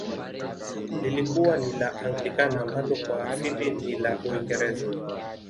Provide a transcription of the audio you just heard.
Lilikuwa ni la Anglikana ambalo kwa asili ni la uingereza